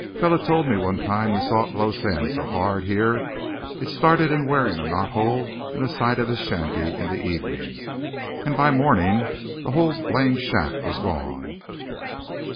"Feller told me one time he saw it blow sand so hard here it started in wearin' a knot hole in the side of his shanty in the evenin', and by mornin' the whole blame shack was gone.